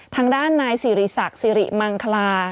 ทางด้านนายสิริศักดิ์สิริมังคลา